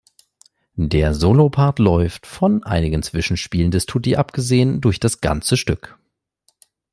Der Solopart läuft, von einigen Zwischenspielen des Tutti abgesehen, durch das ganze Stück.